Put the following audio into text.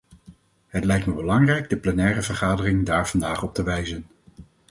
Het lijkt me belangrijk de plenaire vergadering daar vandaag op te wijzen.